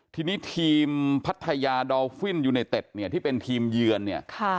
ทีนี้ทีมพัทยาดอลฟินยูเนเต็ดเนี่ยที่เป็นทีมเยือนเนี่ย